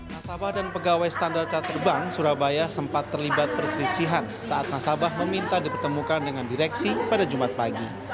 nasabah dan pegawai standar cater bank surabaya sempat terlibat perselisihan saat nasabah meminta dipertemukan dengan direksi pada jumat pagi